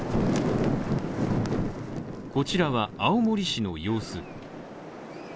こちらは青森市の様子。